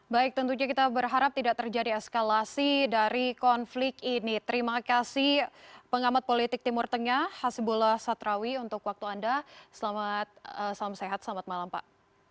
baik tentunya kita berharap tidak terjadi eskalasi dari konflik ini terima kasih pengamat politik timur tengah hasibullah satrawi untuk waktu anda selamat salam sehat selamat malam pak